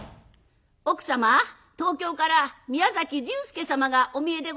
「奥様東京から宮崎龍介様がお見えでございます」。